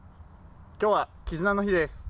今日は絆の日です。